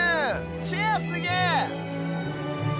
チェアすげえ！